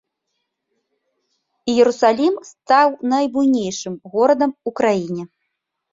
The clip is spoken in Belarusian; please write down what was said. Іерусалім стаў найбуйнейшым горадам у краіне.